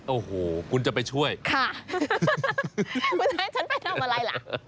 โอ้โหคุณจะไปช่วยค่ะคุณจะให้ฉันไปทำอะไรล่ะ